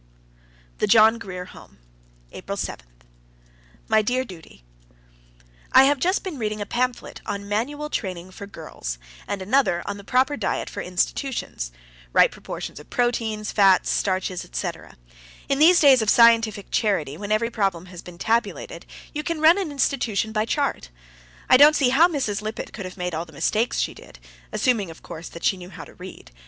THE JOHN GRIER HOME, April 7. My dear Judy: I have just been reading a pamphlet on manual training for girls, and another on the proper diet for institutions right proportions of proteins, fats, starches, etc. In these days of scientific charity, when every problem has been tabulated, you can run an institution by chart. I don't see how Mrs. Lippett could have made all the mistakes she did, assuming, of course, that she knew how to read.